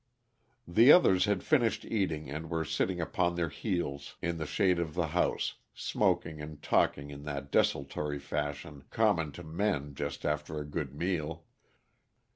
The others had finished eating and were sitting upon their heels in the shade of the house, smoking and talking in that desultory fashion common to men just after a good meal.